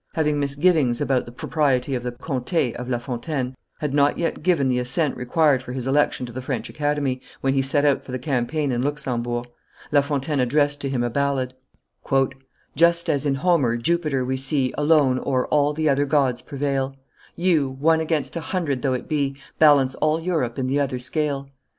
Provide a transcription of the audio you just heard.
having misgivings about the propriety of the Contes of La Fontaine, had not yet given the assent required for his election to the French Academy, when he set out for the campaign in Luxemburg. La Fontaine addressed to him a ballad: "Just as, in Homer, Jupiter we see Alone o'er all the other gods prevail; You, one against a hundred though it be, Balance all Europe in the other scale.